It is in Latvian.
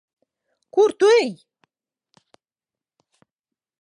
Kur tu ej?